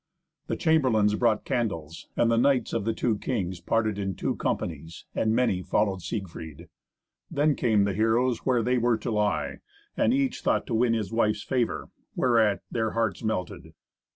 The chamberlains brought candles, and the knights of the two kings parted in two companies, and many followed Siegfried. Then came the heroes where they were to lie, and each thought to win his wife's favour, whereat their hearts melted.